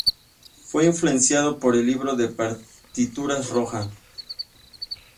Fue influenciado por el libro de partituras Roja.